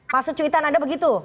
masuk cuitan anda begitu